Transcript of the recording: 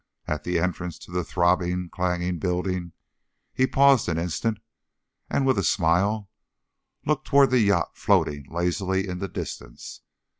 At the entrance to the throbbing, clanging building he paused an instant, and with a smile looked toward the yacht floating lazily in the distance.